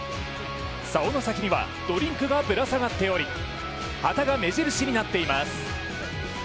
さおの先にはドリンクがぶら下がっており、旗が目印になっています。